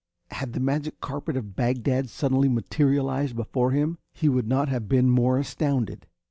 Had the magic carpet of Bagdad suddenly materialized before him, he would not have been more astounded.